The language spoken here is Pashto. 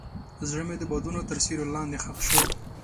زړه مې د بادونو تر سیوري لاندې ښخ شو.